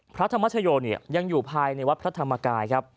พระธรรมชโยยังอยู่ภายในวัตรธรรมกายครับ